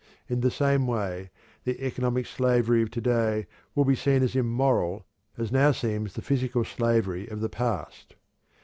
In the same way the economic slavery of to day will be seen as immoral as now seems the physical slavery of the past.